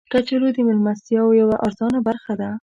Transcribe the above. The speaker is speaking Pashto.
کچالو د میلمستیاو یوه ارزانه برخه ده